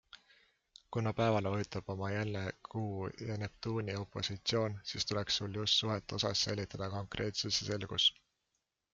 Kuna päevale vajutab oma jälje Kuu ja Neptuuni opositsioon, siis tuleks sul just suhete osas säilitada konkreetsus ja selgus.